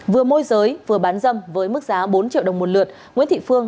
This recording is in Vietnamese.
vừa môi giới vừa bán dâm với mức giá bốn triệu đồng một lượt nguyễn thị phương